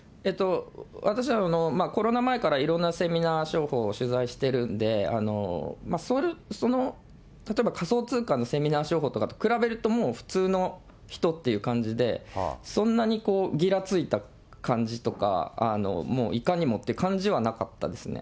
私はコロナ前からいろんなセミナー商法を取材してるんで、例えば、仮想通貨のセミナー商法とかと比べるともう普通の人っていう感じで、そんなにぎらついた感じとか、もういかにもって感じはなかったですね。